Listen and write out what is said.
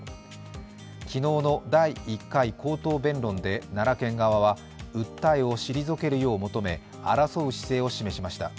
昨日の第１回口頭弁論で奈良県側は訴えを退けるよう求め、争う姿勢を示しました。